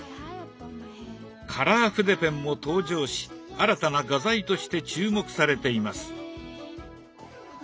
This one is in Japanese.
カラー筆ペンも登場し新たな画材として注目されています。